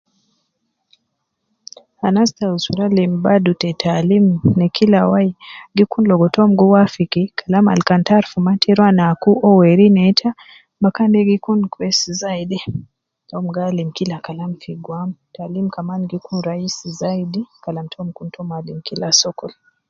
Anas ta usra lim Badu te ta taalim ne Kila wayi gi Kun logo itakum gi wafiki Kalam Al kan ita arufu maafi te ruwa na aku uwo weri neita